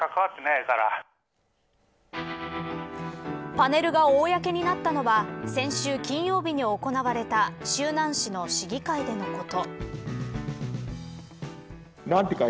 パネルが公になったのは先週金曜日に行われた周南市の市議会でのこと。